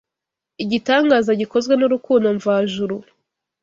igitangaza gikozwe n’urukundo mva juru